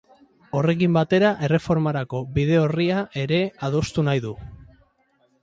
Horrekin batera, erreformarako bide-orria ere adostu nahi du.